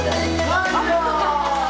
dan selamat berjalan